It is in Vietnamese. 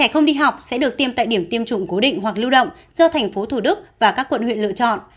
trẻ không đi học sẽ được tiêm tại điểm tiêm chủng cố định hoặc lưu động do tp hcm và các quận huyện lựa chọn